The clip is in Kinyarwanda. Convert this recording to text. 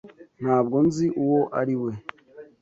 Ntabwo nzi uwo ari we